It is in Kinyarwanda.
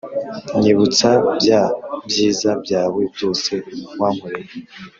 Nyibutsa bya byiza byawe byose wankoreye